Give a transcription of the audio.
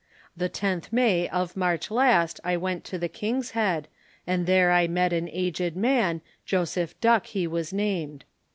The 10th day of March last, I went to the King's Head, And there I met an aged man, Joseph Duck he was named.